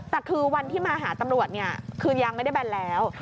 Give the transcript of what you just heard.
แต่คือวันที่มาหาตำรวจเนี่ยคือยังไม่ได้แบนแล้ว